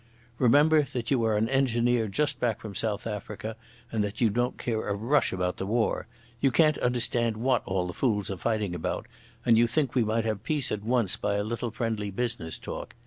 Remember that you are an engineer just back from South Africa, and that you don't care a rush about the war. You can't understand what all the fools are fighting about, and you think we might have peace at once by a little friendly business talk.